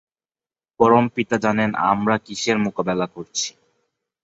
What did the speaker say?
পরম পিতা জানেন আমরা কিসের মোকাবেলা করছি।